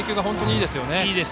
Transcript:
いいですね。